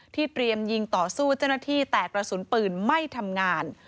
เตรียมยิงต่อสู้เจ้าหน้าที่แตกกระสุนปืนไม่ทำงาน